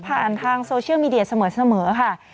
ทางโซเชียลมีเดียเสมอค่ะ